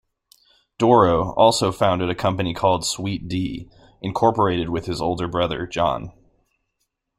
Dorough also founded a company called Sweet D, Incorporated with his older brother John.